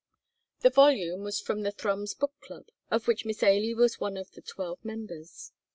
The volume was from the Thrums Book Club, of which Miss Ailie was one of the twelve members.